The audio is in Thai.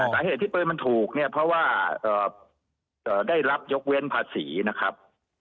สาเหตุที่ปืนมันถูกเนี่ยเพราะว่าได้รับยกเว้นภาษีนะครับ